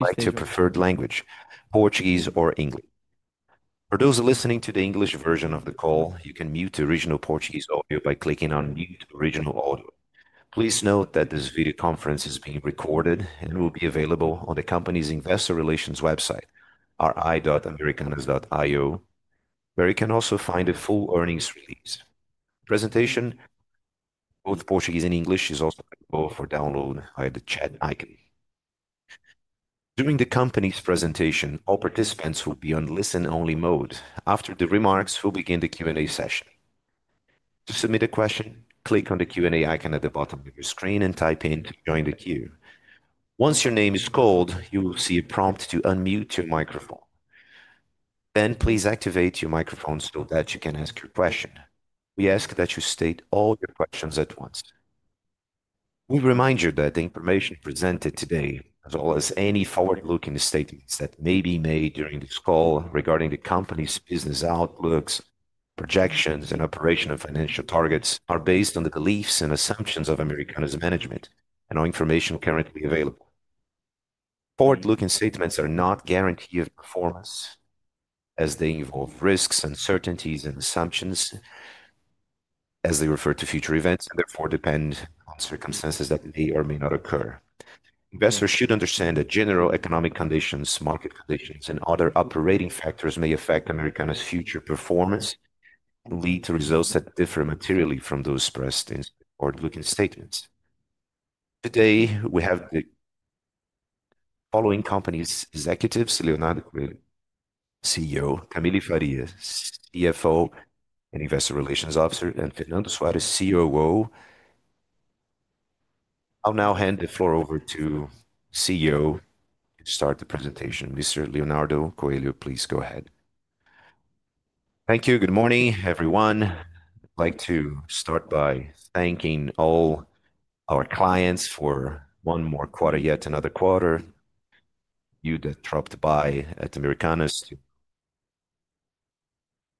Like your preferred language, Portuguese or English? For those listening to the English version of the call, you can mute the original Portuguese audio by clicking on "Mute original audio." Please note that this video conference is being recorded and will be available on the company's investor relations website, ri.americanas.io, where you can also find the full earnings release. The presentation, both in Portuguese and English, is also available for download via the chat icon. During the company's presentation, all participants will be on listen-only mode. After the remarks, we'll begin the Q&A session. To submit a question, click on the Q&A icon at the bottom of your screen and type in to join the queue. Once your name is called, you will see a prompt to unmute your microphone. Please activate your microphone so that you can ask your question. We ask that you state all your questions at once. We remind you that the information presented today, as well as any forward-looking statements that may be made during this call regarding the company's business outlooks, projections, and operational financial targets, are based on the beliefs and assumptions of Americanas management and all information currently available. Forward-looking statements are not guarantees of performance as they involve risks, uncertainties, and assumptions as they refer to future events and therefore depend on circumstances that may or may not occur. Investors should understand that general economic conditions, market conditions, and other operating factors may affect Americanas' future performance and lead to results that differ materially from those expressed in forward-looking statements. Today, we have the following company executives: Leonardo Coelho, CEO; Camille Faria, CFO and Investor Relations Officer; and Fernando Soares, COO. I'll now hand the floor over to the CEO to start the presentation. Mr. Leonardo Coelho, please go ahead. Thank you. Good morning, everyone. I'd like to start by thanking all our clients for one more quarter, yet another quarter. You that dropped by at Americanas to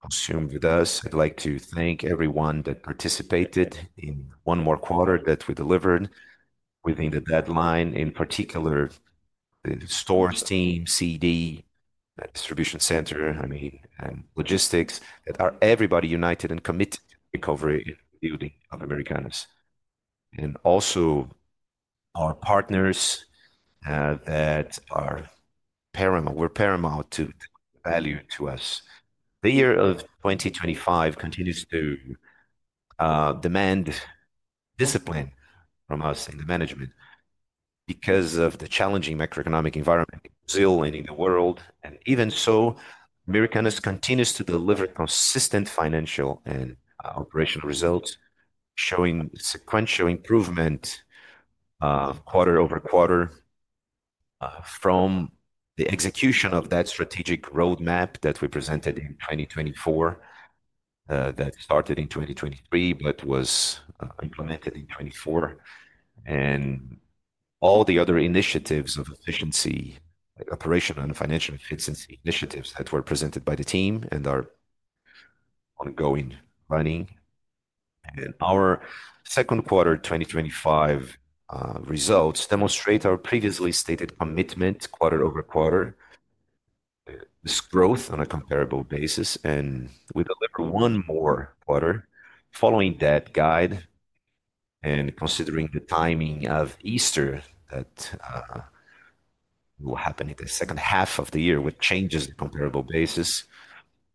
help share with us. I'd like to thank everyone that participated in one more quarter that we delivered within the deadline, in particular the stores team, CD, the distribution center, I mean, and logistics that are everybody united and committed to recovery and building of Americanas. Also, our partners that are paramount, were paramount to value to us. The year of 2025 continues to demand discipline from us and the management because of the challenging macroeconomic environment in Brazil and in the world. Even so, Americanas continues to deliver consistent financial and operational results, showing sequential improvement quarter over quarter from the execution of that strategic roadmap that we presented in 2024 that started in 2023 but was implemented in 2024, and all the other initiatives of efficiency, operational and financial efficiency initiatives that were presented by the team and are ongoing planning. Our second quarter 2025 results demonstrate our previously stated commitment quarter over quarter, this growth on a comparable basis. We deliver one more quarter following that guide and considering the timing of Easter that will happen in the second half of the year with changes in comparable basis.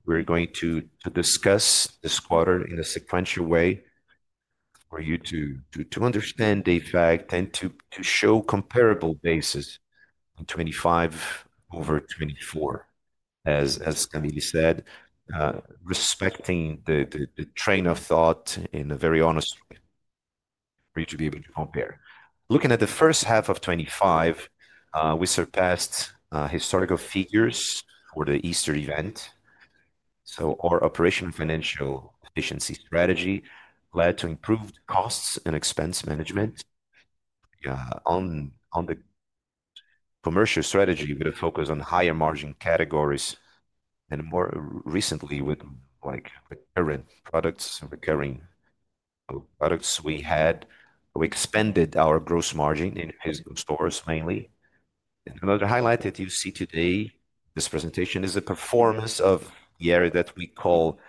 We're going to discuss this quarter in a sequential way for you to understand the effect and to show comparable basis on 2025 over 2024, as Camille said, respecting the train of thought in a very honest way for you to be able to compare. Looking at the first half of 2025, we surpassed historical figures for the Easter event. Our operational financial efficiency strategy led to improved costs and expense management on the commercial strategy with a focus on higher margin categories and more recently with like recurring products. We had we expanded our gross margin in physical stores mainly. Another highlight that you see today, this presentation is the performance of the area that we call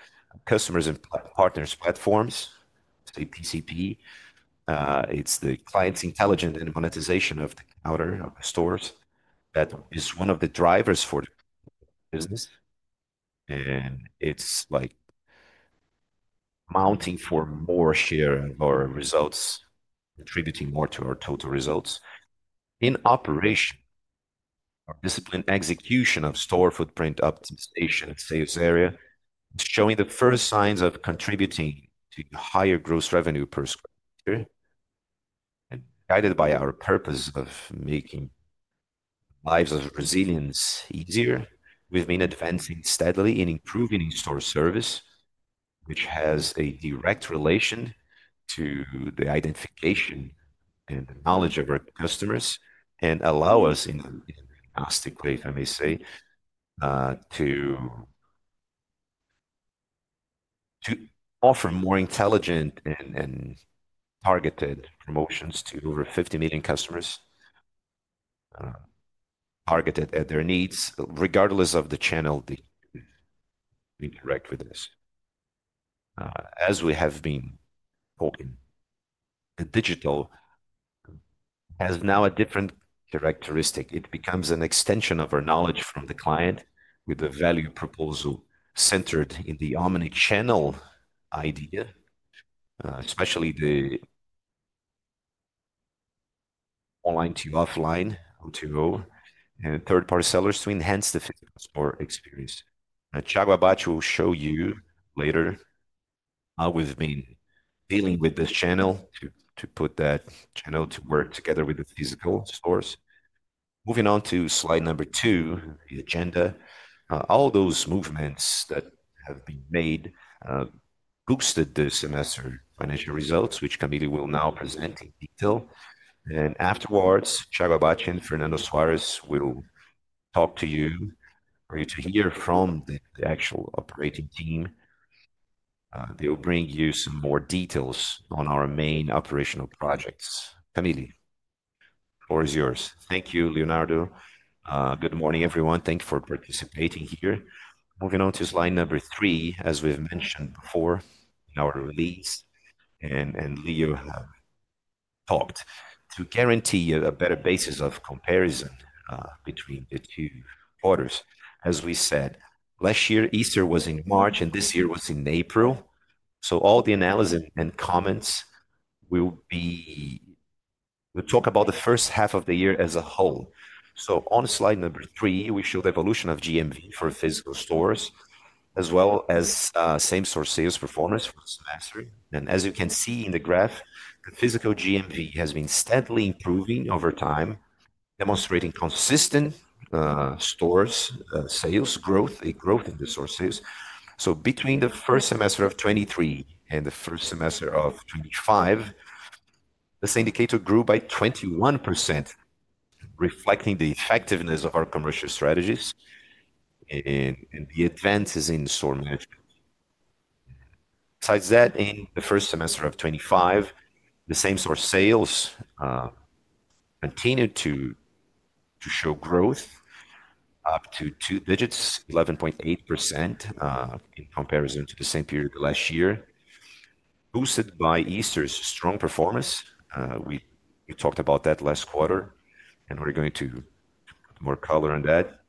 customers and partners' platforms, say PCP. It's the client's intelligence and monetization of the outer stores that is one of the drivers for the business. It's like mounting for more share or results, contributing more to our total results. In operation, our disciplined execution of store footprint optimization and sales area is showing the first signs of contributing to higher gross revenue per square meter. Guided by our purpose of making lives of Brazilians easier, we've been advancing steadily in improving in-store service, which has a direct relation to the identification and the knowledge of our customers and allows us in a fantastic way, if I may say, to offer more intelligent and targeted promotions to over 50 million customers, targeted at their needs, regardless of the channel we direct for this. As we have been hoping, the digital has now a different characteristic. It becomes an extension of our knowledge from the client with a value proposal centered in the omnichannel idea, especially the online to offline, on to go, and third-party sellers to enhance the physical store experience. Chuck Abate will show you later how we've been dealing with this channel to put that channel to work together with the physical stores. Moving on to slide number two, the agenda. All those movements that have been made boosted this semester financial results, which Camille will now present in detail. Afterwards, Chuck Abate and Fernando Soares will talk to you for you to hear from the actual operating team. They will bring you some more details on our main operational projects. Camille, the floor is yours. Thank you, Leonardo. Good morning, everyone. Thanks for participating here. Moving on to slide number three, as we've mentioned before in our release, and Leo has talked to guarantee a better basis of comparison between the two quarters. Last year, Easter was in March and this year was in April. All the analysis and comments will be we'll talk about the first half of the year as a whole. On slide number three, we show the evolution of GMV for physical stores as well as same-store sales performance for the semester. As you can see in the graph, the physical GMV has been steadily improving over time, demonstrating consistent stores' sales growth, a growth in the sources. Between the first semester of 2023 and the first semester of 2025, this indicator grew by 21%, reflecting the effectiveness of our commercial strategies and the advances in store management. Besides that, in the first semester of 2025, the same-store sales continued to show growth up to two digits, 11.8% in comparison to the same period of last year, boosted by Easter's strong performance. We talked about that last quarter, and we're going to put more color on that.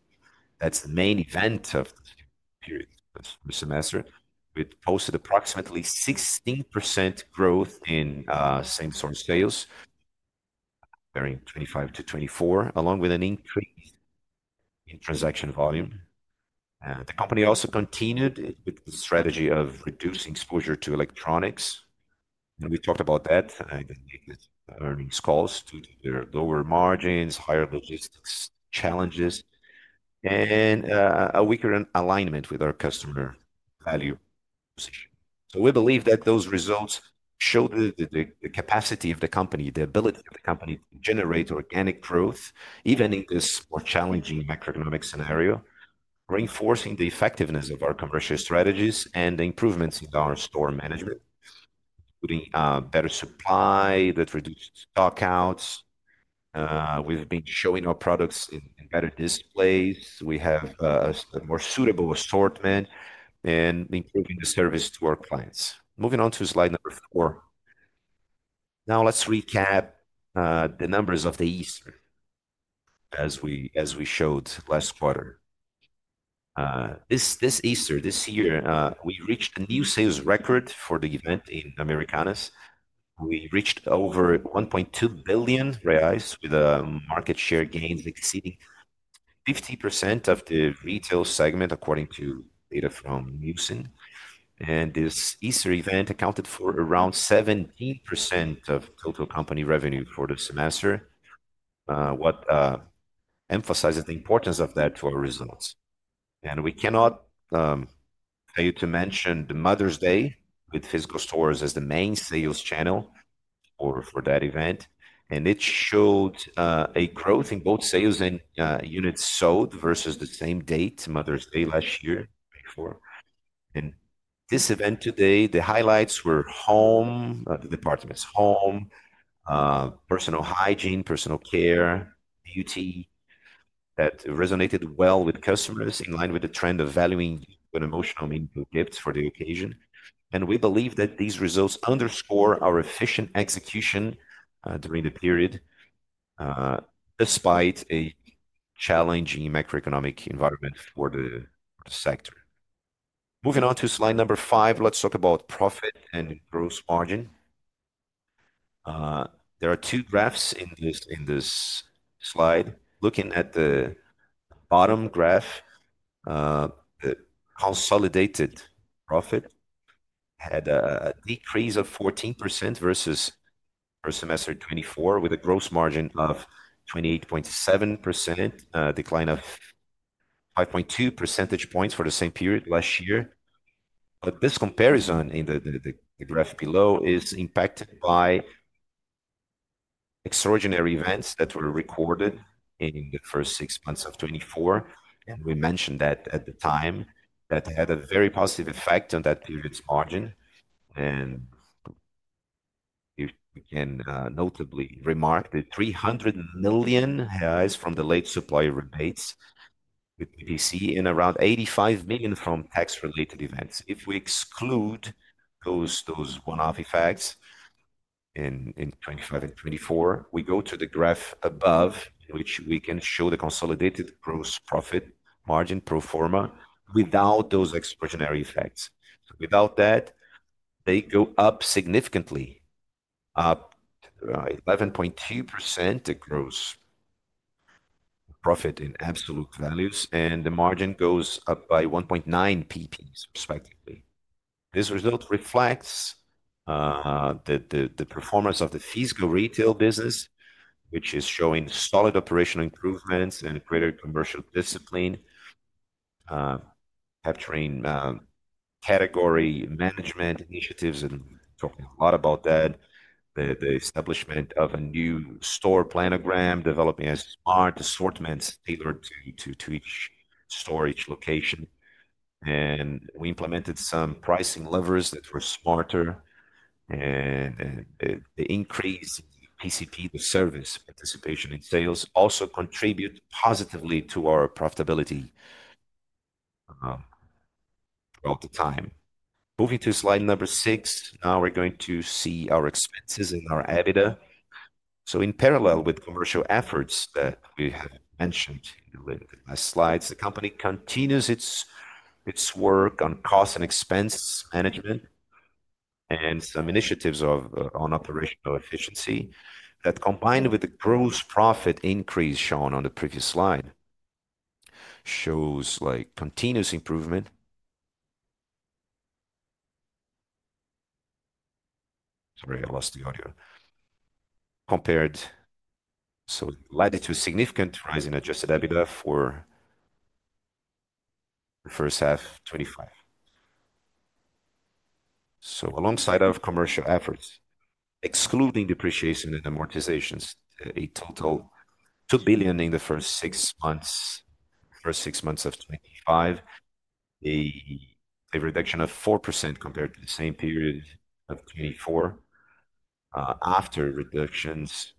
That's the main event of the period of the semester. We posted approximately 16% growth in same-store sales during 2025 to 2024, along with an increase in transaction volume. The company also continued with the strategy of reducing exposure to electronics. We talked about that in the earnings calls due to their lower margins, higher logistics challenges, and a weaker alignment with our customer value position. We believe that those results showed the capacity of the company, the ability of the company to generate organic growth, even in this more challenging macroeconomic scenario, reinforcing the effectiveness of our commercial strategies and the improvements in our store management, including better supply that reduces stock outs. We've been showing our products in better displays. We have a more suitable assortment and improving the service to our clients. Moving on to slide number four. Now let's recap the numbers of the Easter as we showed last quarter. This Easter, this year, we reached a new sales record for the event in Americanas. We reached over 1.2 billion reais with market share gains exceeding 50% of the retail segment according to data from Nielson. This Easter event accounted for around 17% of total company revenue for the semester, which emphasizes the importance of that for our results. We cannot fail to mention the Mother's Day with physical stores as the main sales channel for that event. It showed a growth in both sales and units sold versus the same date, Mother's Day last year, 2024. In this event today, the highlights were home, the department's home, personal hygiene, personal care, beauty that resonated well with customers in line with the trend of valuing emotional meaningful gifts for the occasion. We believe that these results underscore our efficient execution during the period despite a challenging macroeconomic environment for the sector. Moving on to slide number five, let's talk about profit and gross margin. There are two graphs in this slide. Looking at the bottom graph, the consolidated profit had a decrease of 14% versus per semester 2024, with a gross margin of 28.7%, a decline of 5.2 percentage points for the same period last year. This comparison in the graph below is impacted by extraordinary events that were recorded in the first six months of 2024. We mentioned that at the time that had a very positive effect on that period's margin. We can notably remark the 300 million reais from the late supplier rebates with PCP and around 85 million from tax-related events. If we exclude those one-off effects in 2025 and 2024, we go to the graph above, in which we can show the consolidated gross profit margin pro forma without those extraordinary effects. Without that, they go up significantly, up 11.2% gross profit in absolute values, and the margin goes up by 1.9 percentage points, respectively. This result reflects the performance of the physical retail business, which is showing solid operational improvements and greater commercial discipline, capturing category management initiatives and talking a lot about that. The establishment of a new store planogram developing as smart assortments tailored to each store location. We implemented some pricing levers that were smarter. The increase in PCP, the service participation in sales, also contributed positively to our profitability throughout the time. Moving to slide number six, now we're going to see our expenses and our EBITDA. In parallel with commercial efforts that we have mentioned in the last slides, the company continues its work on cost and expense management and some initiatives on operational efficiency that, combined with the gross profit increase shown on the previous slide, shows continuous improvement. Compared, led to a significant rise in adjusted EBITDA for the first half of 2025. Alongside commercial efforts, excluding depreciation and amortization, a total 2 billion in the first six months, first six months of 2025, a reduction of 4% compared to the same period of 2024, after reductions,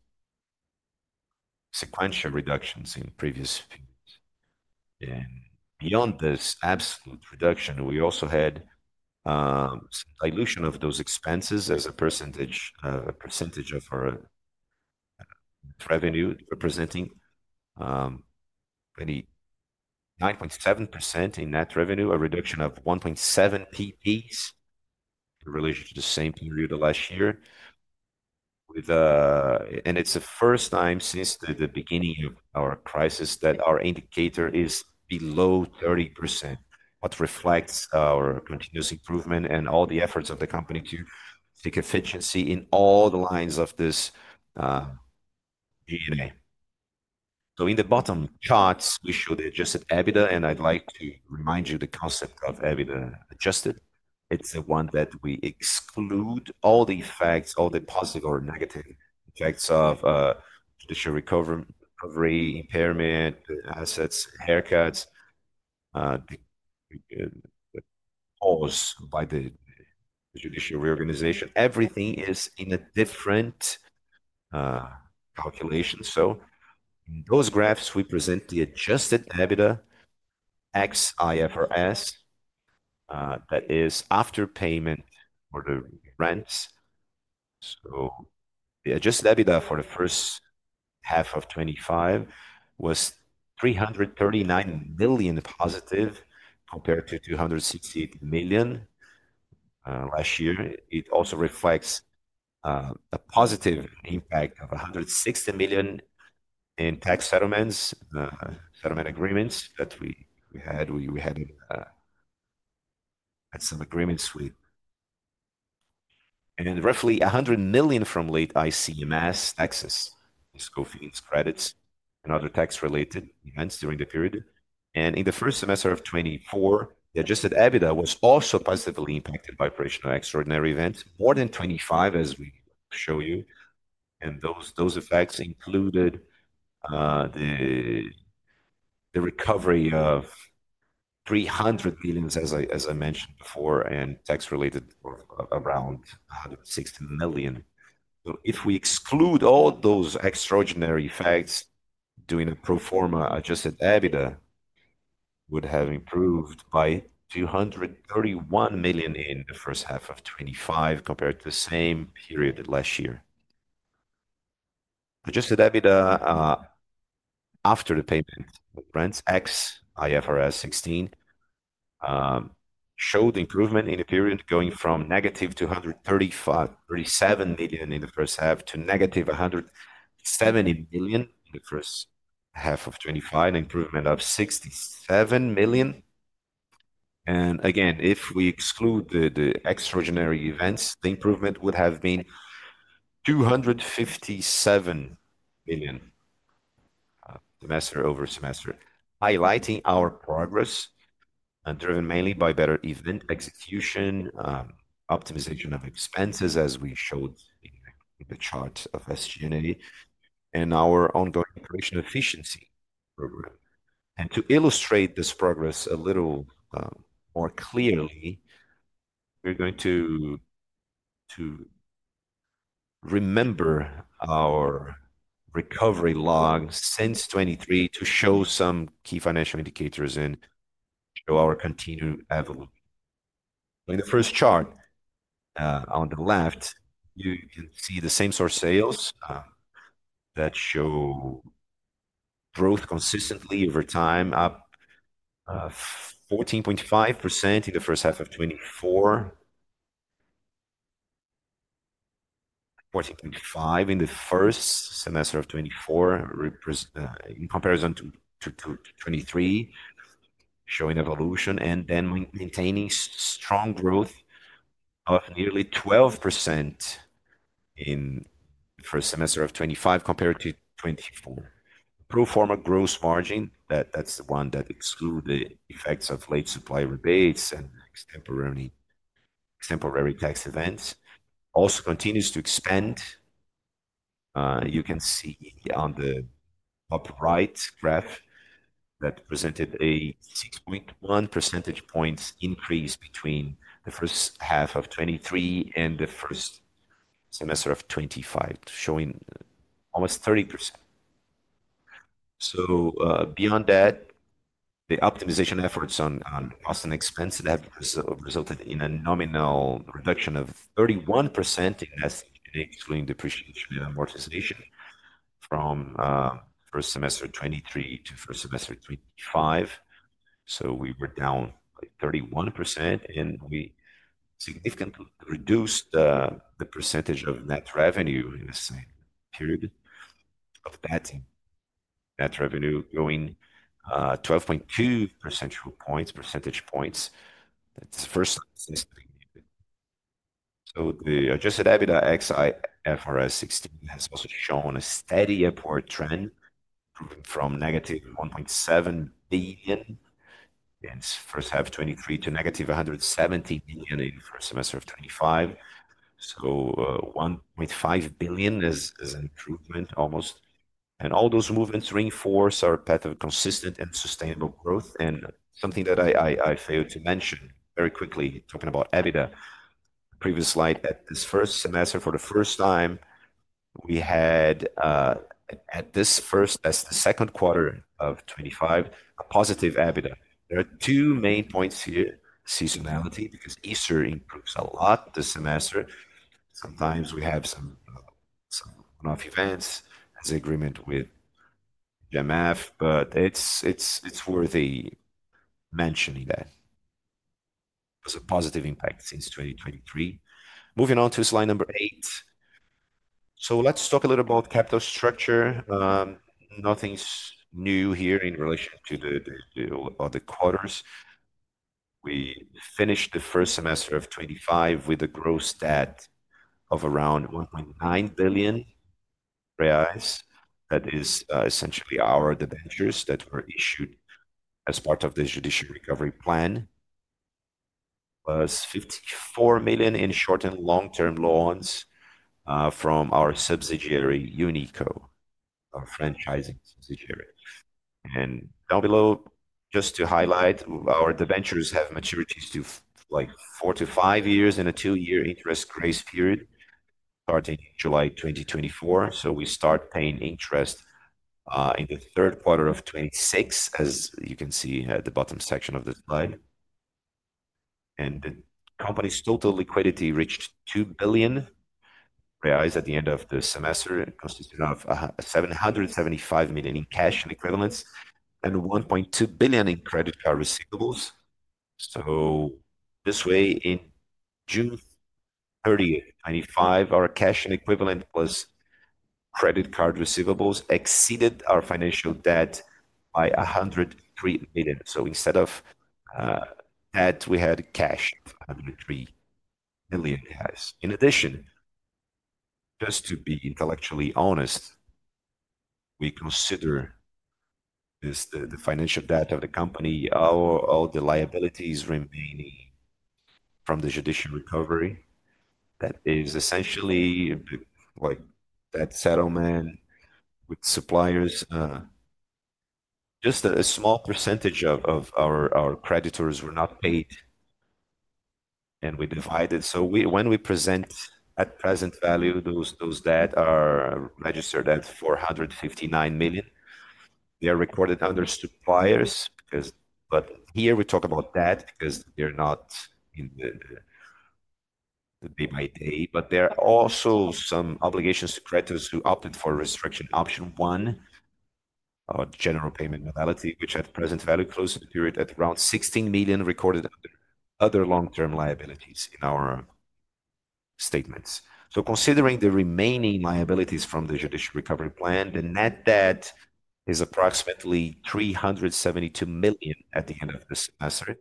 sequential reductions in the previous periods. Beyond this absolute reduction, we also had dilution of those expenses as a percentage of our revenue, representing 9.7% in net revenue, a reduction of 1.7 percentage points in relation to the same period of last year. It is the first time since the beginning of our crisis that our indicator is below 30%, which reflects our continuous improvement and all the efforts of the company to take efficiency in all the lines of this DNA. In the bottom charts, we show the adjusted EBITDA, and I'd like to remind you the concept of EBITDA adjusted. It's the one that we exclude all the effects, all the positive or negative effects of the recovery, impairment, assets, haircuts, the pause by the judicial reorganization. Everything is in a different calculation. In those graphs, we present the adjusted EBITDA x IFRS that is after payment for the rents. The adjusted EBITDA for the first half of 2025 was 339 million positive compared to 268 million last year. It also reflects a positive impact of 160 million in tax settlements, settlement agreements that we had. We had some agreements with, and roughly 100 million from late ICMS taxes, fiscal fees, credits, and other tax-related events during the period. In the first semester of 2024, the adjusted EBITDA was also positively impacted by operational extraordinary events, more than 25, as we show you. Those effects included the recovery of 300 billion, as I mentioned before, and tax-related around 160 million. If we exclude all those extraordinary facts, doing a pro forma adjusted EBITDA would have improved by 231 million in the first half of 2025 compared to the same period last year. Adjusted EBITDA after the payment of rents X IFRS 16 showed improvement in the period going from negative 237 million in the first half to negative 170 million in the first half of 2025, an improvement of 67 million. If we exclude the extraordinary events, the improvement would have been 257 million semester over semester, highlighting our progress, driven mainly by better event execution, optimization of expenses, as we showed in the chart of SG&A, and our ongoing operational efficiency program. To illustrate this progress a little more clearly, we're going to remember our recovery logs since 2023 to show some key financial indicators and show our continued evolution. In the first chart on the left, you can see the same-store sales that show growth consistently over time, up 14.5% in the first half of 2024, 14.5% in the first semester of 2024 in comparison to 2023, showing evolution and then maintaining strong growth of nearly 12% in the first semester of 2025 compared to 2024. Pro forma gross margin, that's the one that excludes the effects of late supply rebates and temporary tax events, also continues to expand. You can see on the top right graph that presented a 6.1 percentage points increase between the first half of 2023 and the first semester of 2025, showing almost 30%. Beyond that, the optimization efforts on cost and expense have resulted in a nominal reduction of 31% in depreciation and amortization from the first semester 2023 to the first semester 2025. We were down 31%, and we significantly reduced the percentage of net revenue in the same period, of that net revenue going 12.2 percentage points to the first semester. The adjusted EBITDA x IFRS 16 has also shown a steady upward trend, moving from negative 1.7 billion in the first half of 2023 to negative 170 million in the first semester of 2025. 1.5 billion is an improvement almost. All those movements reinforce our path of consistent and sustainable growth. Something that I failed to mention very quickly, talking about EBITDA, previous slide, that this first semester, for the first time, we had at this first as the second quarter of 2025, a positive EBITDA. There are two main points here, seasonality, because Easter improves a lot this semester. Sometimes we have some one-off events as an agreement with GMF, but it's worthy mentioning that as a positive impact since 2023. Moving on to slide number eight. Let's talk a little about capital structure. Nothing's new here in relation to all about the quarters. We finished the first semester of 2025 with a gross stat of around 1.9 billion reais. That is essentially our debentures that were issued as part of the judicial recovery plan, plus 54 million in short and long-term loans from our subsidiary Uniqlo, our franchising subsidiary. Down below, just to highlight, our debentures have maturities to like four to five years and a two-year interest grace period starting July 2024. We start paying interest in the third quarter of 2026, as you can see at the bottom section of the slide. The company's total liquidity reached 2 billion reais at the end of the semester, and consisted of 775 million in cash and equivalents and 1.2 billion in credit card receivables. This way, in June 30, 2025, our cash and equivalent plus credit card receivables exceeded our financial debt by 103 million. Instead of debt, we had cash, 103 million. In addition, just to be intellectually honest, we consider the financial debt of the company, all the liabilities remaining from the judicial recovery. That is essentially that settlement with suppliers. Just a small percentage of our creditors were not paid, and we divided. When we present at present value, those debts are registered as 459 million. They are recorded under suppliers because, but here we talk about debt because they're not in the day by day. There are also some obligations to creditors to opt in for restriction option one, our general payment modality, which at present value close to the period at around 16 million recorded under other long-term liabilities in our statements. Considering the remaining liabilities from the judicial recovery plan, the net debt is approximately 372 million at the end of this semester.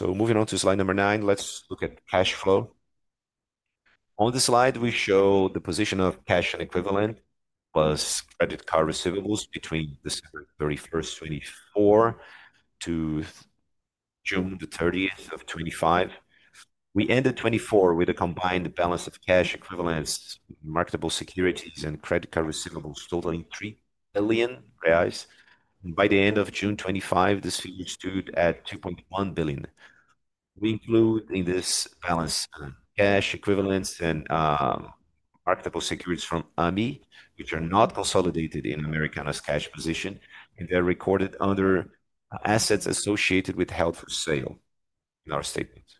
Moving on to slide number nine, let's look at cash flow. On the slide, we show the position of cash and equivalent plus credit card receivables between December 31, 2024 to June 30, 2025. We ended 2024 with a combined balance of cash equivalents, marketable securities, and credit card receivables totaling 3 billion reais. By the end of June 2025, this fiduciary stood at 2.1 billion. We include in this balance cash equivalents and marketable securities from AMI, which are not consolidated in Americanas cash position, and they're recorded under assets associated with held for sale in our statements.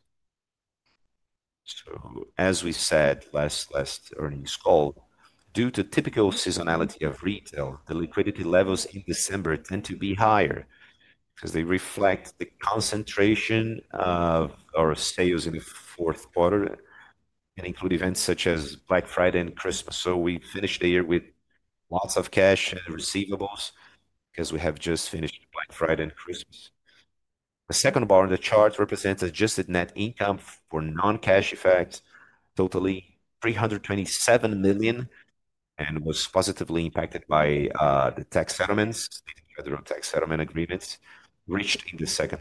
As we said last earnings call, due to typical seasonality of retail, the liquidity levels in December tend to be higher because they reflect the concentration of our sales in the fourth quarter and include events such as Black Friday and Christmas. We finish the year with lots of cash and receivables because we have just finished Black Friday and Christmas. The second bar on the chart represents adjusted net income for non-cash effects, totaling 327 million, and was positively impacted by the tax settlements, federal tax settlement agreements reached in the second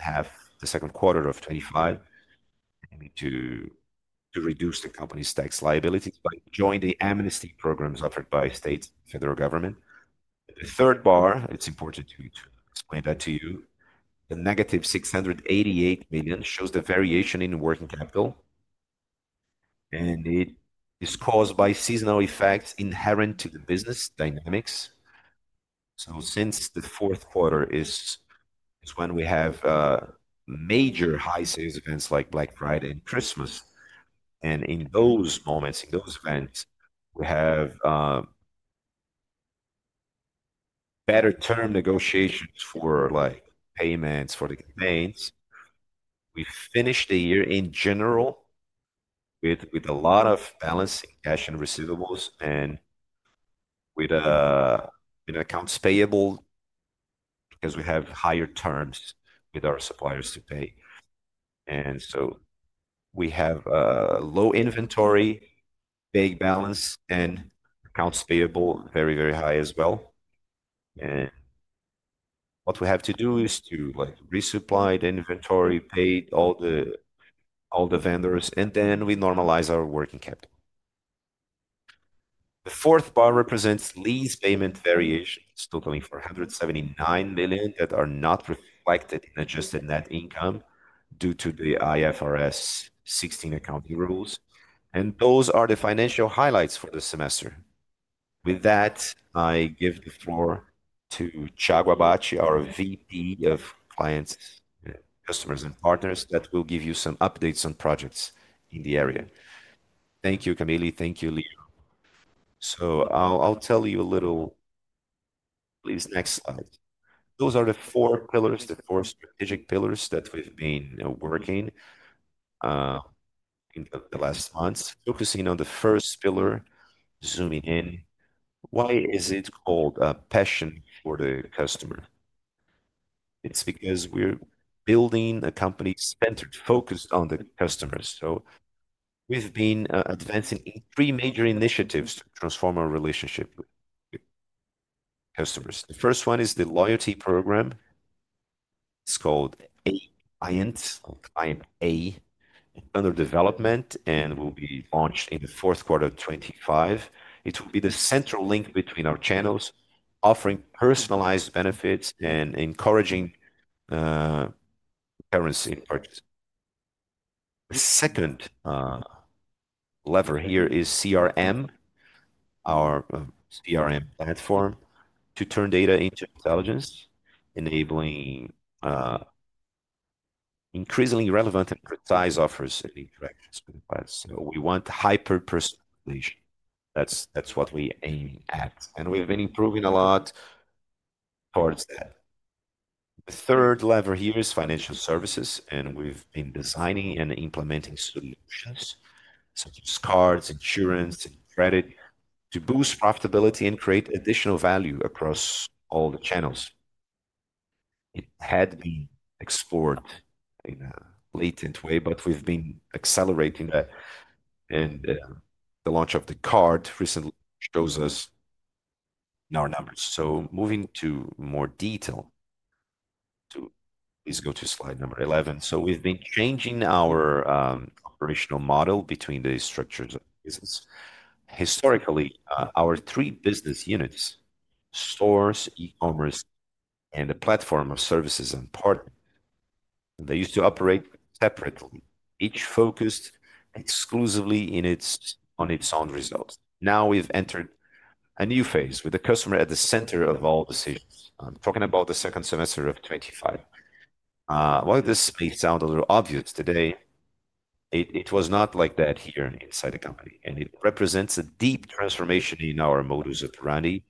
quarter of 2025, aiming to reduce the company's tax liabilities by joining the amnesty programs offered by state and federal government. The third bar, it's important to point that to you, the -688 million shows the variation in working capital, and it is caused by seasonal effects inherent to the business dynamics. Since the fourth quarter is when we have major high sales events like Black Friday and Christmas, in those events, we have better term negotiations for payments for the campaigns. We finish the year in general with a lot of balance in cash and receivables and with accounts payable because we have higher terms with our suppliers to pay. We have a low inventory, vague balance, and accounts payable very, very high as well. What we have to do is to resupply the inventory, pay all the vendors, and then we normalize our working capital. The fourth bar represents lease payment variations, totaling 479 million, that are not reflected in adjusted net income due to the IFRS 16 accounting rules. Those are the financial highlights for the semester. With that, I give the floor to Chuck Abate, our VP of Clients, Customers, and Partners, who will give you some updates on projects in the area. Thank you, Camille. Thank you, Leo. I'll tell you a little on these next slides. Those are the four pillars, the four strategic pillars that we've been working on in the last months, focusing on the first pillar, zooming in. Why is it called a passion for the customer? It's because we're building a company centered and focused on the customers. We've been advancing in three major initiatives to transform our relationship with customers. The first one is the loyalty program. It's called AIMS. It's under development and will be launched in the fourth quarter of 2025. It will be the central link between our channels, offering personalized benefits and encouraging currency purchase. The second lever here is CRM, our CRM platform to turn data into intelligence, enabling increasingly relevant and precise offers and interactions with the clients. We want hyper-personalization. That's what we're aiming at, and we've been improving a lot towards that. The third lever here is financial services, and we've been designing and implementing solutions such as credit cards, insurance, and credit to boost profitability and create additional value across all the channels. It had been explored in a latent way, but we've been accelerating that, and the launch of the credit card recently shows us in our numbers. Moving to more detail, please go to slide number 11. We've been changing our operational model between the structures of business. Historically, our three business units—stores, e-commerce, and the platform of services and partner—used to operate separately, each focused exclusively on its own result. Now we've entered a new phase with the customer at the center of all decisions. I'm talking about the second semester of 2025. While this may sound a little obvious today, it was not like that here inside the company, and it represents a deep transformation in our modus operandi: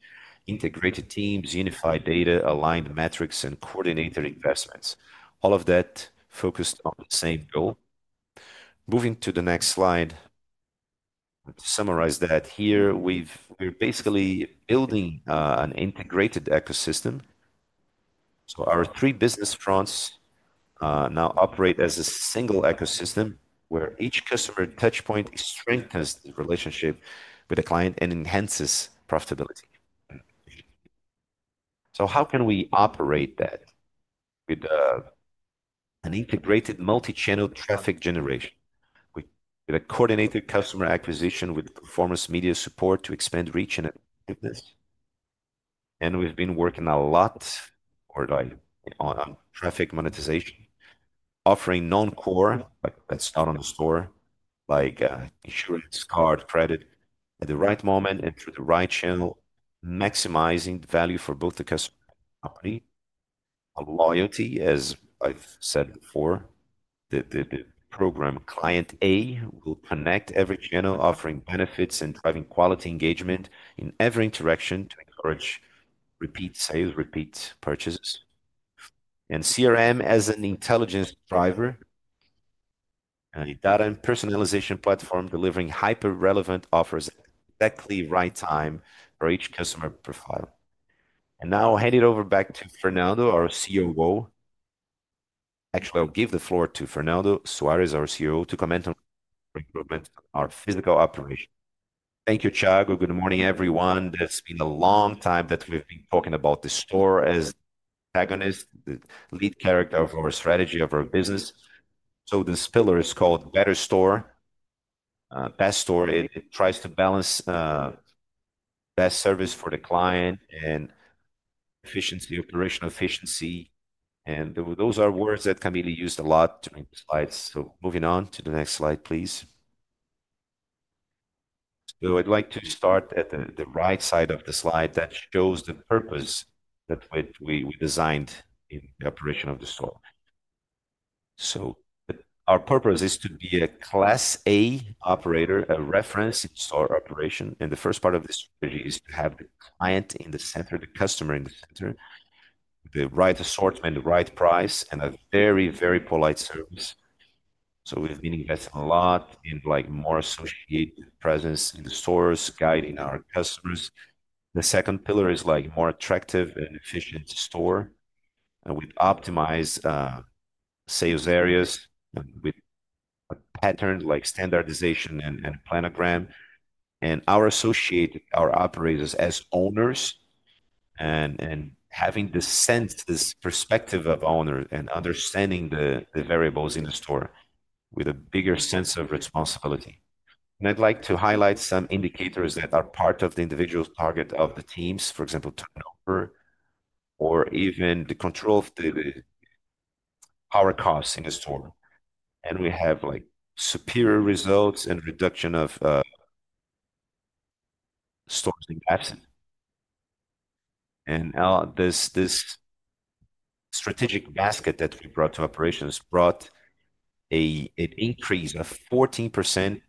integrated teams, unified data, aligned metrics, and coordinated investments. All of that is focused on the same goal. Moving to the next slide, I'll summarize that here. We're basically building an integrated ecosystem. Our three business fronts now operate as a single ecosystem where each customer touchpoint strengthens the relationship with the client and enhances profitability. How can we operate that with an integrated multi-channel traffic generation? We have a coordinated customer acquisition with performance media support to expand reach and goodness. We've been working a lot on traffic monetization, offering non-core that's not on the store, like insurance, card, credit, at the right moment and through the right channel, maximizing the value for both the customer and the company. A loyalty, as I've said before, the program client A will connect every channel, offering benefits and driving quality engagement in every interaction to encourage repeat sales, repeat purchases. CRM as an intelligence driver, a data and personalization platform delivering hyper-relevant offers at the exactly right time for each customer profile. Now I'll hand it over back to Fernando, our COO. Actually, I'll give the floor to Fernando Soares, our COO, to comment on our physical operations. Thank you, Chuck. Good morning, everyone. It's been a long time that we've been talking about the store as the protagonist, the lead character of our strategy of our business. This pillar is called Better Store. Best Store, it tries to balance best service for the client and operational efficiency. Those are words that Camille used a lot during the slides. Moving on to the next slide, please. I'd like to start at the right side of the slide that shows the purpose that we designed in the operation of the store. Our purpose is to be a class A operator, a reference in store operation. The first part of the strategy is to have the client in the center, the customer in the center, the right assortment, the right price, and a very, very polite service. We've been investing a lot in more associated presence in the stores, guiding our customers. The second pillar is a more attractive and efficient store. We've optimized sales areas with a pattern like standardization and planogram. Our associated operators as owners and having the sense, this perspective of owners and understanding the variables in the store with a bigger sense of responsibility. I'd like to highlight some indicators that are part of the individual target of the teams, for example, turnover, or even the control of the power costs in the store. We have superior results and reduction of stores in absence. This strategic basket that we brought to operations brought an increase of 14% of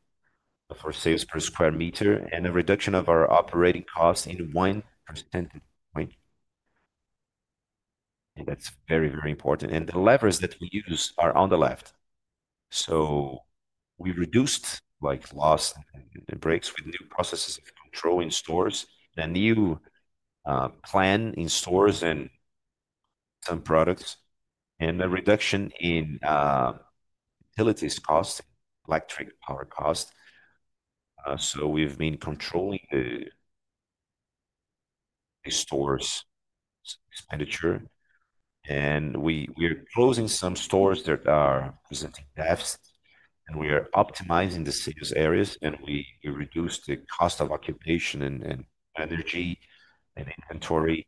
our sales per square meter and a reduction of our operating costs in 1%. That's very, very important. The levers that we use are on the left. We reduced loss and breaks with new processes of controlling stores, the new plan in stores and some products, and the reduction in utilities cost, electric power cost. We've been controlling the stores' expenditure. We're closing some stores that are presenting debts. We are optimizing the sales areas, and we reduce the cost of occupation and energy and inventory.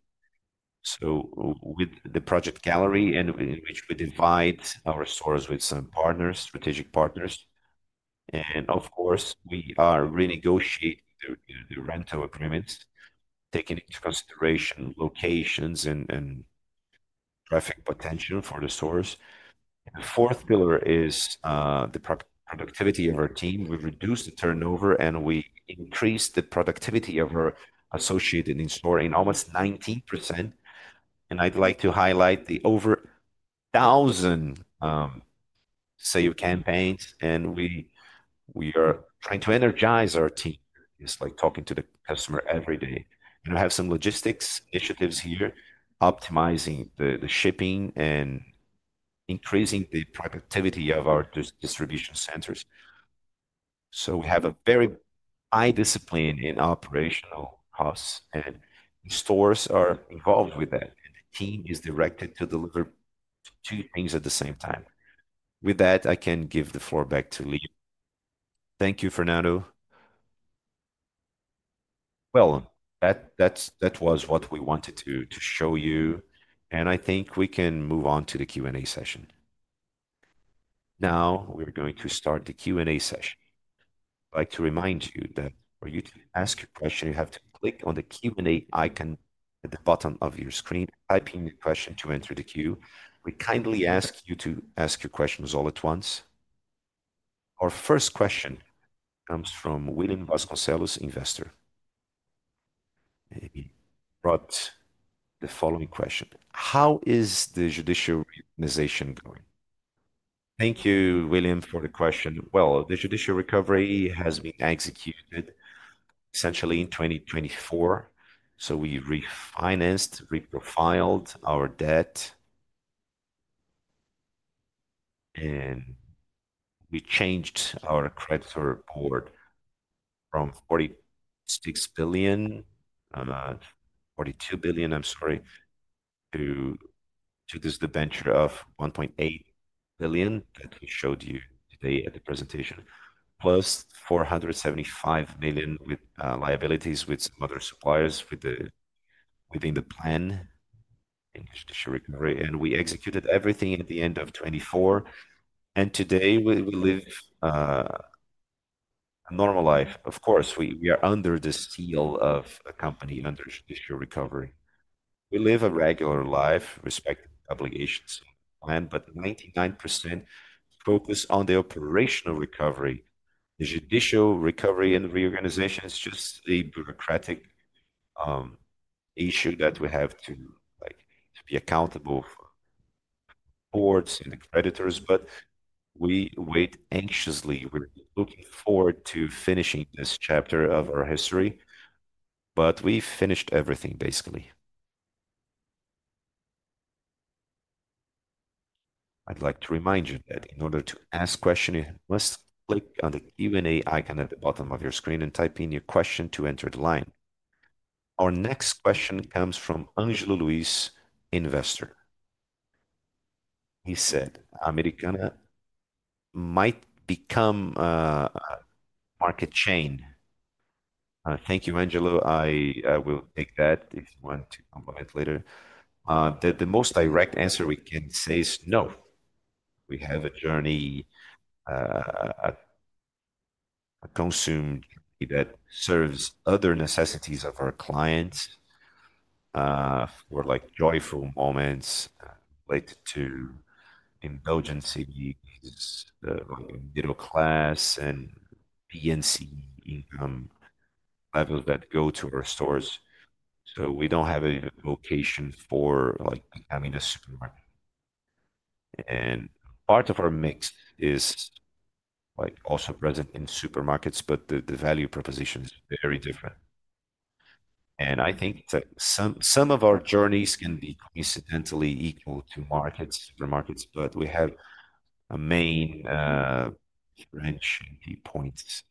With the Galleria project in which we divide our stores with some partners, strategic partners. Of course, we are renegotiating the rental agreements, taking into consideration locations and traffic potential for the stores. The fourth pillar is the productivity of our team. We reduced the turnover, and we increased the productivity of our associated in-store in almost 19%. I'd like to highlight the over 1,000 sales campaigns. We are trying to energize our team. It's like talking to the customer every day. We have some logistics initiatives here, optimizing the shipping and increasing the productivity of our distribution centers. We have a very high discipline in operational costs, and the stores are involved with that. The team is directed to deliver two things at the same time. With that, I can give the floor back to Leo. Thank you, Fernando. That was what we wanted to show you. I think we can move on to the Q&A session. Now we're going to start the Q&A session. I'd like to remind you that for you to ask a question, you have to click on the Q&A icon at the bottom of your screen, typing the question to enter the queue. We kindly ask you to ask your questions all at once. Our first question comes from William Vasconcelos, investor. He brought the following question. How is the judicial organization going? Thank you, William, for the question. The judicial recovery has been executed essentially in 2024. We refinanced, reprofiled our debt, and we changed our credit score board from 46 billion, I'm not 42 billion, I'm sorry, to this debenture of 1.8 billion that we showed you today at the presentation, plus 475 million with liabilities with other suppliers within the plan in judicial recovery. We executed everything at the end of 2024. Today, we live a normal life. Of course, we are under the seal of a company under judicial recovery. We live a regular life, respecting obligations to the plan, but 99% focus on the operational recovery. The judicial recovery and reorganization is just a bureaucratic issue that we have to be accountable for boards and the creditors. We wait anxiously. We're looking forward to finishing this chapter of our history. We finished everything, basically. I'd like to remind you that in order to ask questions, you must click on the Q&A icon at the bottom of your screen and type in your question to enter the line. Our next question comes from Angelo Luis, investor. He said, "Americanas might become a market chain." Thank you, Angelo. I will take that if you want to comment later. The most direct answer we can say is no. We have a journey that serves other necessities of our clients. We're like joyful moments related to indulgences, middle class, and PNC income levels that go to our stores. We don't have a location for like having a supermarket. Part of our mix is also present in supermarkets, but the value proposition is very different. I think that some of our journeys can be coincidentally equal to markets, supermarkets, but we have a main branch in key points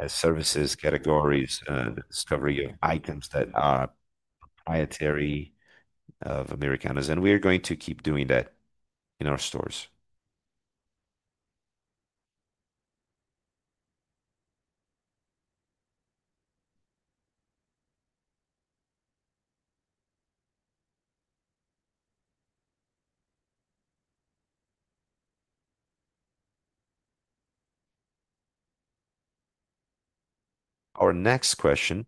as services, categories, and the discovery of items that are proprietary of Americanas. We are going to keep doing that in our stores. Our next question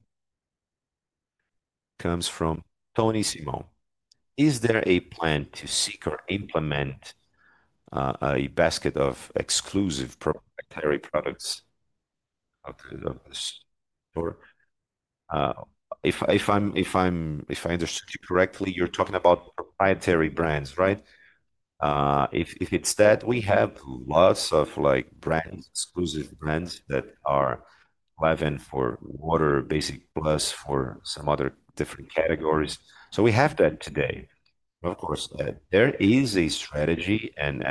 comes from Tony Simon. Is there a plan to seek or implement a basket of exclusive proprietary products outside of the store? If I understood you correctly, you're talking about proprietary brands, right? If it's that, we have lots of brands, exclusive brands that are 11 for water, basic plus for some other different categories. We have that today. There is a strategy, and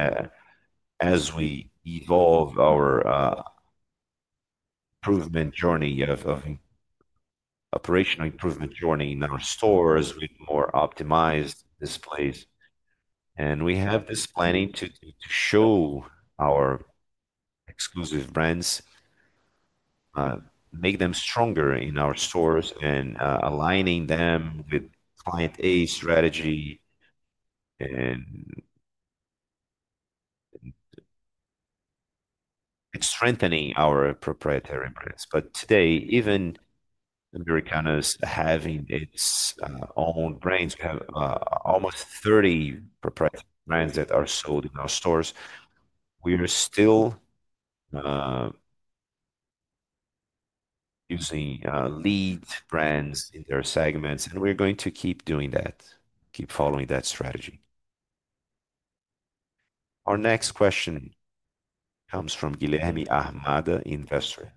as we evolve our improvement journey of operational improvement journey in our stores with more optimized displays. We have this planning to show our exclusive brands, make them stronger in our stores and aligning them with client A strategy and strengthening our proprietary brands. Today, even Americanas having its own brands, we have almost 30 proprietary brands that are sold in our stores. We are still using lead brands in their segments, and we're going to keep doing that, keep following that strategy. Our next question comes from Guilherme Ahmad, investor,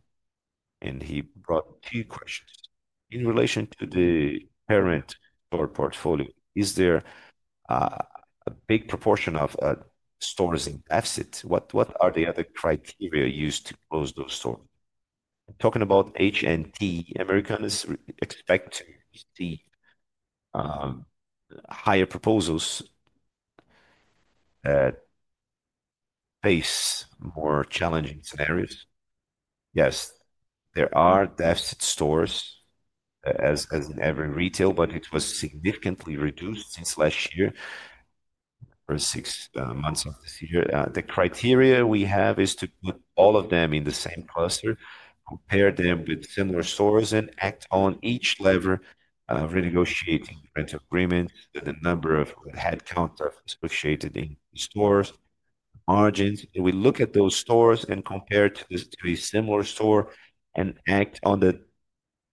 and he brought two questions. In relation to the current store portfolio, is there a big proportion of stores in deficit? What are the other criteria used to close those stores? I'm talking about Americanas expects to see higher proposals that face more challenging scenarios. Yes, there are deficit stores, as in every retail, but it was significantly reduced since last year, the first six months of this year. The criteria we have is to put all of them in the same cluster, compare them with similar stores, and act on each lever, renegotiating rental agreements with a number of headcount of associated in-store margins. We look at those stores and compare to a similar store and act on the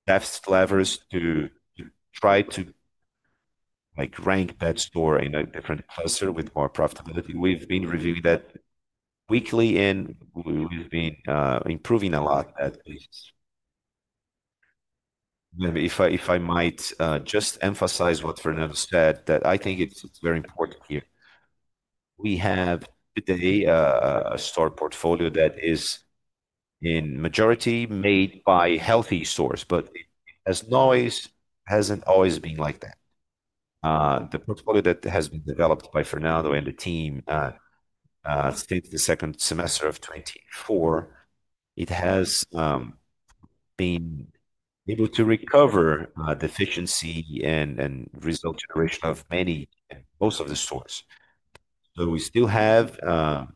deficit levers to try to rank that store in a different cluster with more profitability. We've been reviewing that weekly, and we've been improving a lot at least. If I might just emphasize what Fernando said, I think it's very important here. We have today a store portfolio that is in majority made by healthy stores, but it hasn't always been like that. The portfolio that has been developed by Fernando and the team since the second semester of 2024, it has been able to recover deficiency and result generation of many, most of the stores. We still have a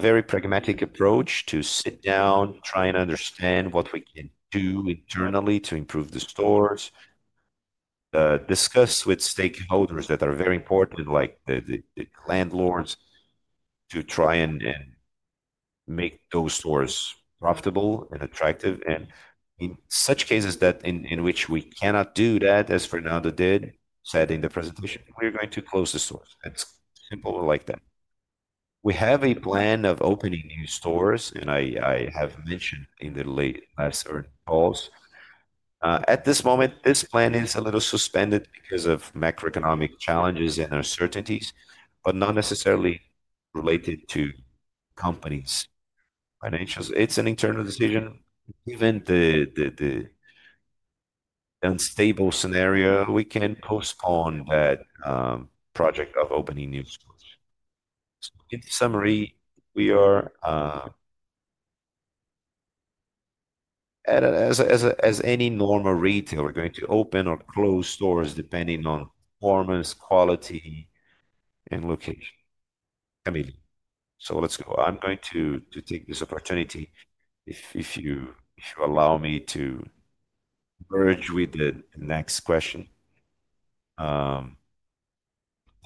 very pragmatic approach to sit down, try and understand what we can do internally to improve the stores, discuss with stakeholders that are very important, like the landlords, to try and make those stores profitable and attractive. In such cases in which we cannot do that, as Fernando said in the presentation, we're going to close the stores. It's simple like that. We have a plan of opening new stores, and I have mentioned in the last earnings calls. At this moment, this plan is a little suspended because of macroeconomic challenges and uncertainties, but not necessarily related to the company's financials. It's an internal decision. Given the unstable scenario, we can postpone that project of opening new stores. In summary, we are, as any normal retailer, going to open or close stores depending on performance, quality, and location. Camille, so let's go. I'm going to take this opportunity, if you allow me, to merge with the next question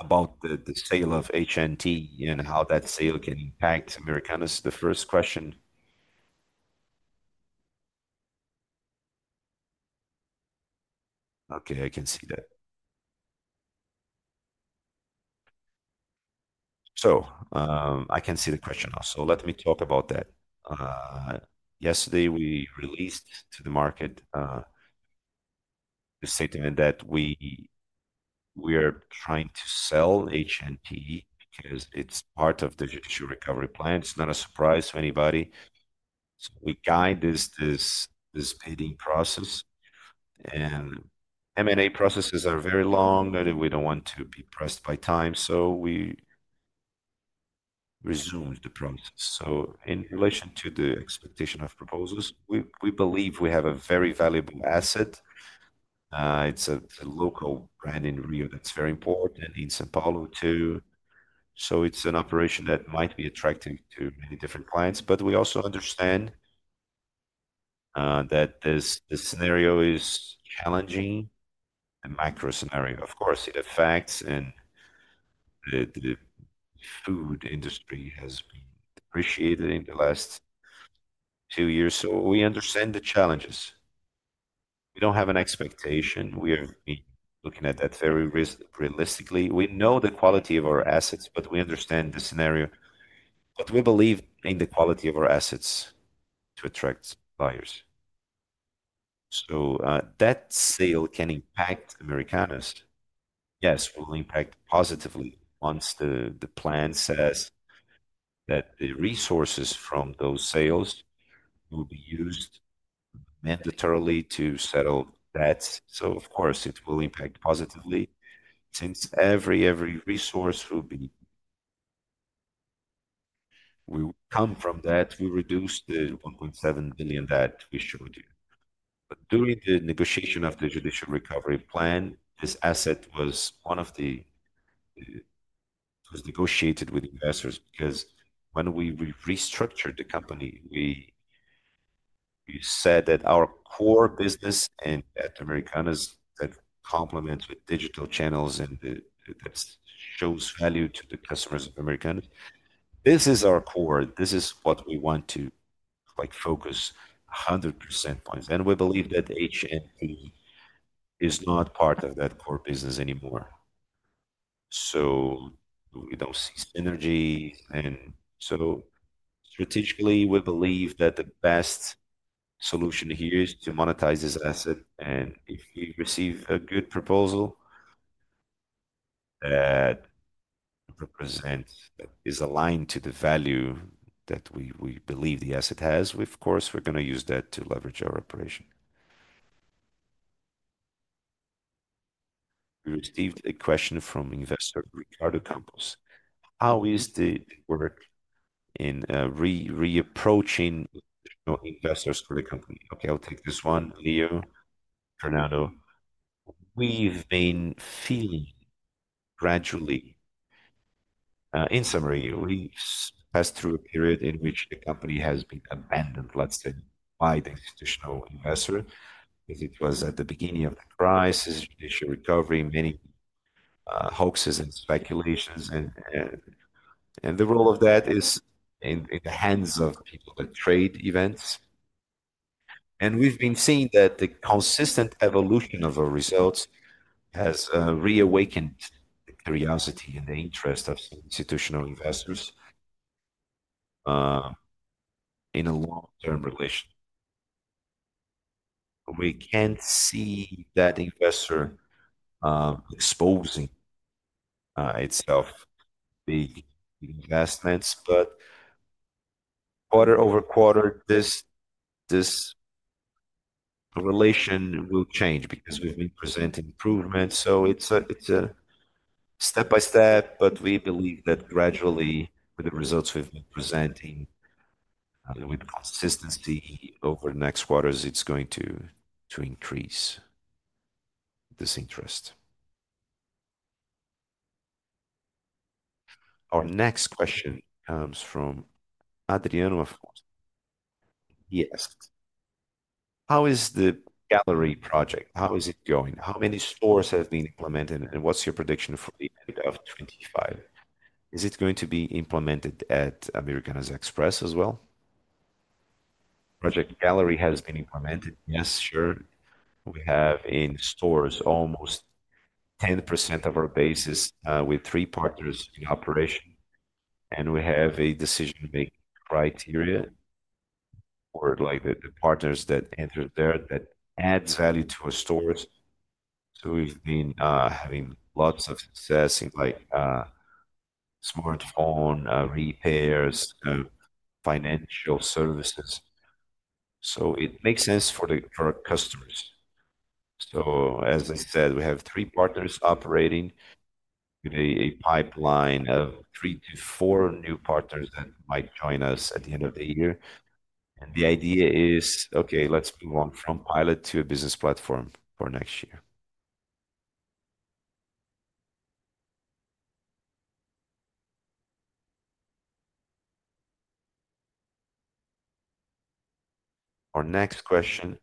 about the sale of H&T and how that sale can impact Americanas. The first question. Okay, I can see that. I can see the question now. Let me talk about that. Yesterday, we released to the market the statement that we are trying to sell H&T because it's part of the judicial recovery plan. It's not a surprise to anybody. We guide this bidding process. M&A processes are very long, and we don't want to be pressed by time, so we resumed the process. In relation to the expectation of proposals, we believe we have a very valuable asset. It's a local brand in Rio that's very important and in São Paulo too. It's an operation that might be attractive to many different clients. We also understand that this scenario is challenging, a macro scenario. Of course, it affects the food industry, which has appreciated in the last few years. We understand the challenges. We don't have an expectation. We are looking at that very realistically. We know the quality of our assets, but we understand the scenario. We believe in the quality of our assets to attract suppliers. That sale can impact Americanas. Yes, it will impact positively once the plan says that the resources from those sales will be used mandatorily to settle debts. It will impact positively since every resource will come from that. We reduced the 1.7 billion that we showed you. During the negotiation of the judicial recovery plan, this asset was one of the negotiated with investors because when we restructured the company, we said that our core business and that Americanas that complements with digital channels and that shows value to the customers of Americanas, this is our core. This is what we want to focus 100% points. We believe that H&T is not part of that core business anymore. We don't see synergy. Strategically, we believe that the best solution here is to monetize this asset. If we receive a good proposal that is aligned to the value that we believe the asset has, we're going to use that to leverage our operation. We received a question from investor Ricardo Campos. How is the work in reapproaching investors for the company? I'll take this one, Leo, Fernando. We've been feeling gradually, in summary, we've passed through a period in which the company has been abandoned, let's say, by the institutional investor because it was at the beginning of the crisis, judicial recovery, many hoaxes and speculations. The role of that is in the hands of people that trade events. We've been seeing that the consistent evolution of our results has reawakened the curiosity and the interest of institutional investors in a long-term relation. We can't see that investor exposing itself to big investments, but quarter over quarter, this relation will change because we've been presenting improvements. It's a step by step, but we believe that gradually, with the results we've been presenting with consistency over the next quarters, it's going to increase this interest. Our next question comes from Adriano, of course. Yes. How is the Galleria project? How is it going? How many stores have been implemented? What's your prediction for the end of 2025? Is it going to be implemented at Americanas Express as well? Project Galleria has been implemented. Yes, sure. We have in stores almost 10% of our base with three partners in operation. We have a decision-making criteria for the partners that entered there that adds value to our stores. We've been having lots of success in smartphone repairs, kind of financial services. It makes sense for our customers. As I said, we have three partners operating with a pipeline of three to four new partners that might join us at the end of the year. The idea is, let's move on from pilot to a business platform for next year. Our next question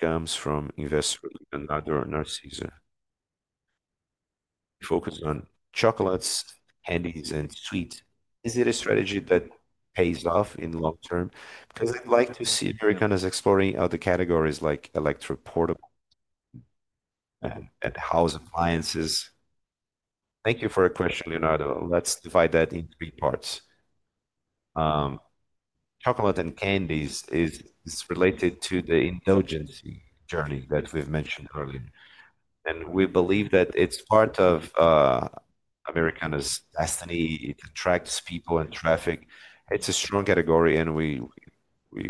comes from investor Leonardo Narciso. We focus on chocolates, candies, and sweets. Is it a strategy that pays off in the long term? Does it look like to see Americanas as exploring other categories like electric portable and house appliances? Thank you for your question, Leonardo. Let's divide that in three parts. Chocolate and candies is related to the indulgency journey that we've mentioned earlier. We believe that it's part of Americanas' destiny. It attracts people and traffic. It's a strong category, and we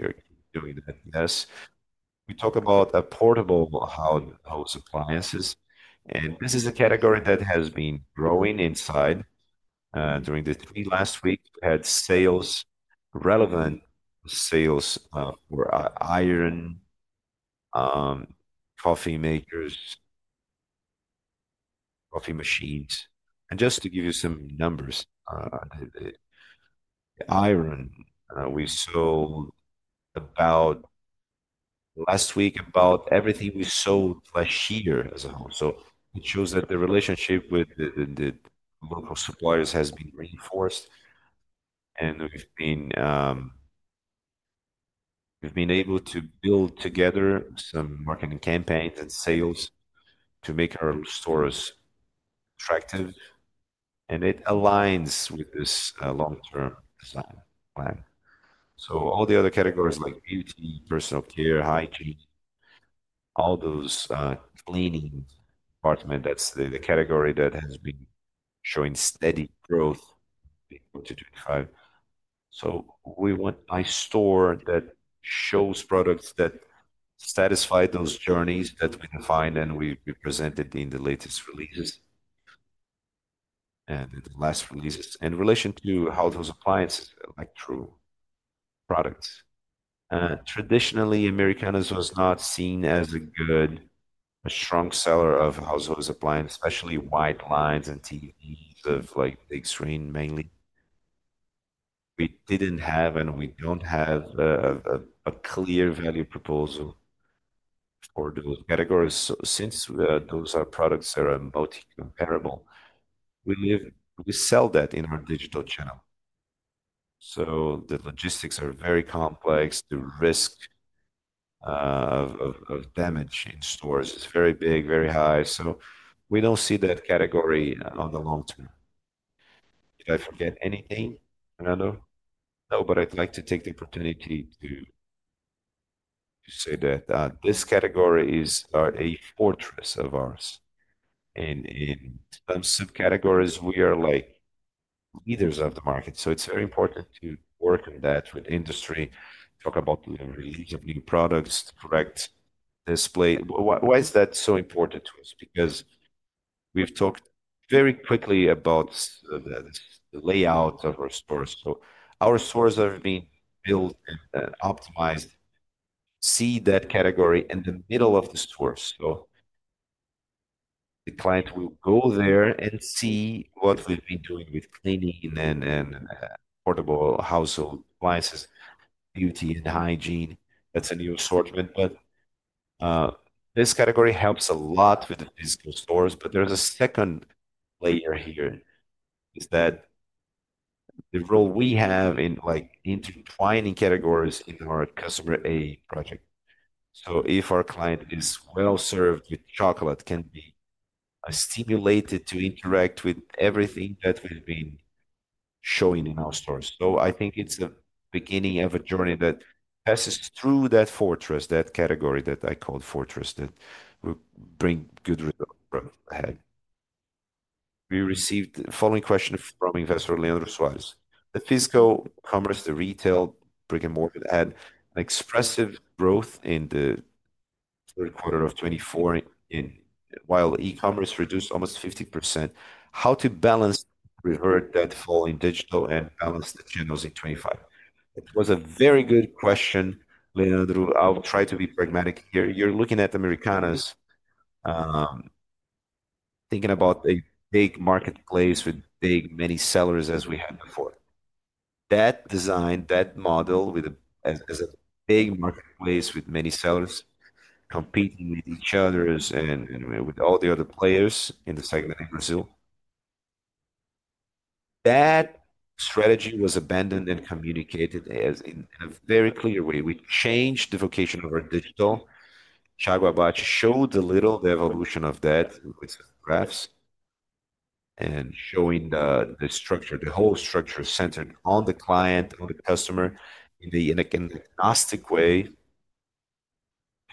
are doing the best. We talk about portable house appliances. This is a category that has been growing inside. During the three last weeks, we had relevant sales for iron, coffee makers, coffee machines. Just to give you some numbers, iron, we sold last week about everything we sold last year as a whole. It shows that the relationship with the local suppliers has been reinforced. We've been able to build together some marketing campaigns and sales to make our stores attractive. It aligns with this long-term design plan. All the other categories like beauty, personal care, hygiene, all those cleaning departments, that's the category that has been showing steady growth in 2025. We want a store that shows products that satisfy those journeys that we define, and we presented in the latest releases and the last releases in relation to how those appliances are like true products. Americanas was not seen as a good, a strong seller of household appliances, especially white lines and TVs of like big screen mainly. We didn't have, and we don't have a clear value proposal for those categories. Since those are products that are multi-comparable, we sell that in our digital channel. The logistics are very complex. The risk of damage in stores is very big, very high. We don't see that category on the long term. Did I forget anything, Fernando? No, but I'd like to take the opportunity to say that these categories are a fortress of ours. In some subcategories, we are like leaders of the market. It's very important to work with that, with industry, talk about the release of new products, correct display. Why is that so important to us? We've talked very quickly about the layout of our stores. Our stores have been built and optimized. See that category in the middle of the store. The client will go there and see what we've been doing with cleaning and portable household appliances, beauty, and hygiene. That's a new assortment. This category helps a lot with the physical stores. There's a second layer here, the role we have in like intertwining categories in our customer A project. If our client is well served with chocolate, can be stimulated to interact with everything that we've been showing in our stores. I think it's the beginning of a journey that passes through that fortress, that category that I called fortress, that we bring good results from ahead. We received the following question from investor Leonardo Soares. The physical commerce, the retail, brick-and-mortar had an expressive growth in the third quarter of 2024, while e-commerce reduced almost 50%. How to balance revert that fall in digital and balance the channels in 2025? It was a very good question, Leonardo. I'll try to be pragmatic here. You're looking at Americanas, thinking about a big marketplace with big, many sellers as we had before. That design, that model with a big marketplace with many sellers competing with each other and with all the other players in the segment in Brazil, that strategy was abandoned and communicated in a very clear way. We changed the vocation of our digital. Chuck Abate showed a little of the evolution of that with graphs and showing the structure, the whole structure centered on the client, on the customer in an agnostic way.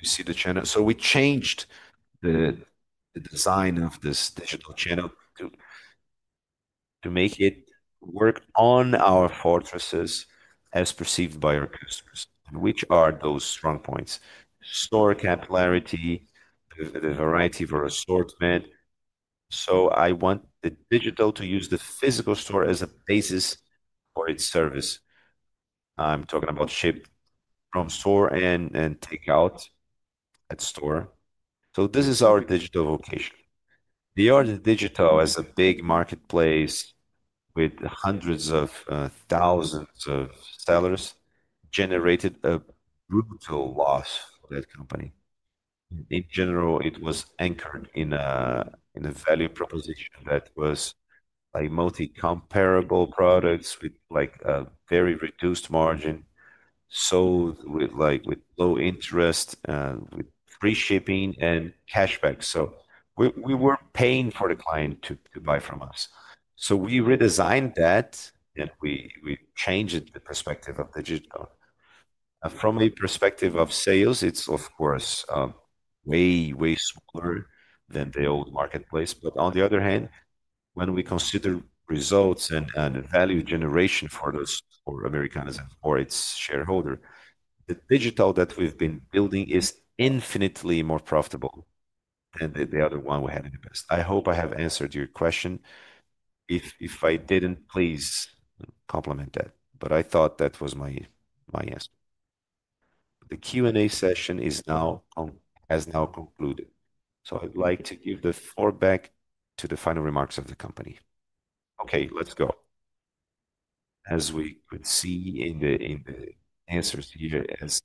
You see the channel. We changed the design of this digital channel to make it work on our fortresses as perceived by our customers. Which are those strong points? Store capillarity, the variety of our assortment. I want the digital to use the physical store as a basis for its service. I'm talking about shipped from store and takeout at store. This is our digital location. The art of digital as a big marketplace with hundreds of thousands of sellers generated a brutal loss for that company. In general, it was anchored in a value proposition that was like multi-comparable products with a very reduced margin, sold with low interest and with free shipping and cashback. We weren't paying for the client to buy from us. We redesigned that and we changed the perspective of digital. From a perspective of sales, it's, of course, way, way smaller than the old marketplace. On the other hand, when we consider results and value generation for Americanas and for its shareholder, the digital that we've been building is infinitely more profitable than the other one we had in the past. I hope I have answered your question. If I didn't, please complement that. I thought that was my answer. The Q&A session is now concluded. I'd like to give the floor back to the final remarks of the company. Okay, let's go. As we could see in the answers here, as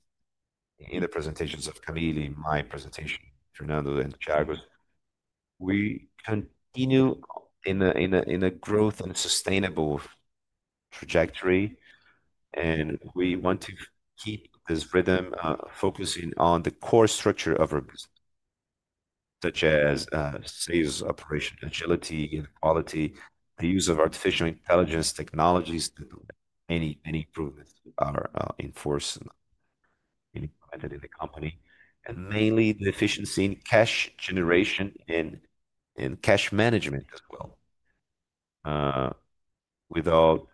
in the presentations of Camille, my presentation, Fernando, and Chuck, we continue in a growth and a sustainable trajectory. We want to keep this rhythm, focusing on the core structure of our business, such as sales operation, agility, quality. The use of artificial intelligence technologies to do many improvements in our enforcement in the company. Mainly the efficiency in cash generation and cash management as well, without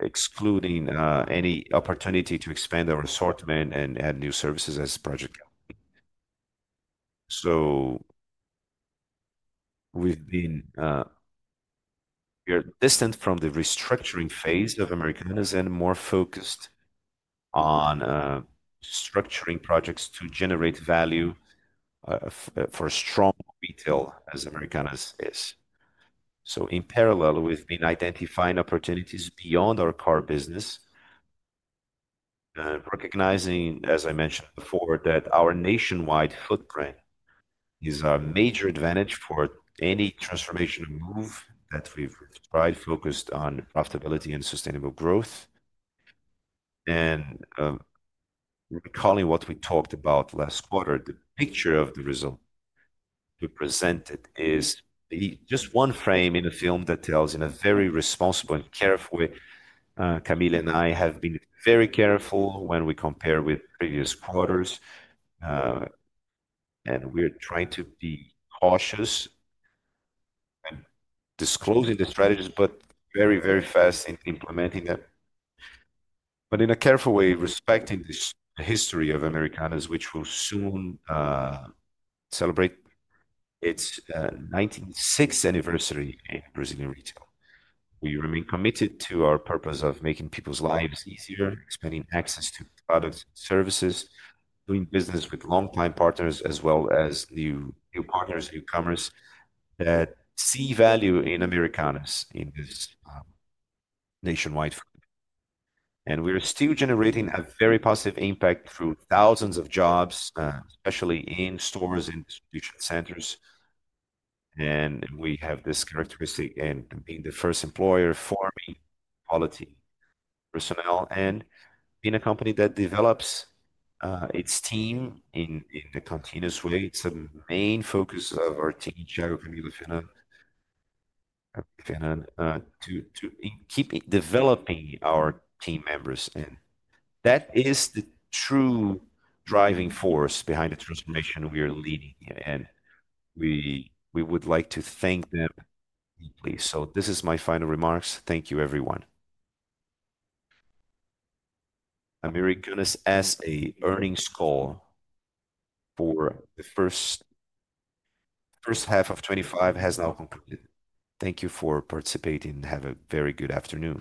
excluding any opportunity to expand our assortment and add new services as project go. We have been distant from the restructuring phase of Americanas and more focused on structuring projects to generate value for a strong retail as Americanas is. In parallel, we have been identifying opportunities beyond our core business, recognizing, as I mentioned before, that our nationwide footprint is a major advantage for any transformation move that we have tried focused on profitability and sustainable growth. Recalling what we talked about last quarter, the picture of the result we presented is just one frame in a film that tells in a very responsible and careful way. Camille and I have been very careful when we compare with previous quarters. We are trying to be cautious in disclosing the strategies, but very, very fast in implementing them in a careful way, respecting the history of Americanas, which will soon celebrate its 96th anniversary in Brazilian retail. We remain committed to our purpose of making people's lives easier, expanding access to other services, doing business with long-time partners, as well as new partners, newcomers that see value in Americanas in this nationwide field. We are still generating a very positive impact through thousands of jobs, especially in stores and distribution centers. We have this characteristic in being the first employer forming quality personnel and being a company that develops its team in a continuous way. It is the main focus of our team in Chuck, Camille, Fernando, to keep developing our team members. That is the true driving force behind the transformation we are leading. We would like to thank them deeply. This is my final remarks. Thank you, everyone. The earnings call for the first half of 2025 has now concluded. Thank you for participating. Have a very good afternoon.